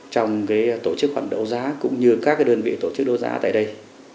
trong tổ chức hoạt đấu giá cũng như các đơn vị tổ chức đấu giá tại đây